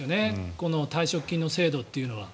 この退職金の制度っていうのは。